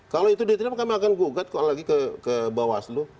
kalau diterima kami akan gugat lagi ke bawaslu